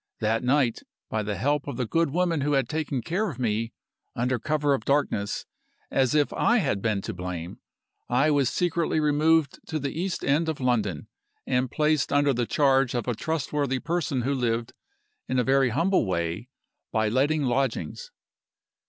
That night, by help of the good woman who had taken care of me under cover of the darkness, as if I had been to blame! I was secretly removed to the East End of London, and placed under the charge of a trustworthy person who lived, in a very humble way, by letting lodgings.